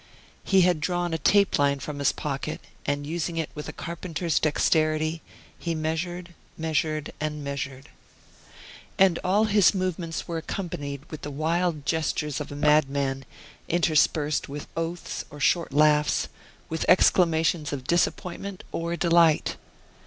He had drawn a tape line from his pocket, and using it with a carpenter's dexterity, he measured, measured, and measured. And all his movements were accompanied with the wild gestures of a madman, interspersed with oaths or short laughs, with exclamations of disappointment or delight.